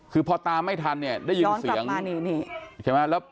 คือพอตามไม่ทันได้ยินเสียง